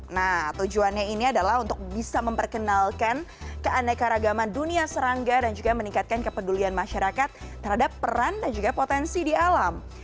nah tujuannya ini adalah untuk bisa memperkenalkan keanekaragaman dunia serangga dan juga meningkatkan kepedulian masyarakat terhadap peran dan juga potensi di alam